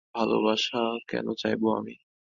ভালোবাসা কেন চাইবো আমি?